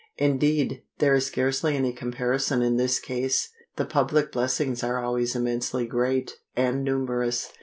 Indeed, there is scarcely any comparison in this case. The public blessings are always immensely great and numerous.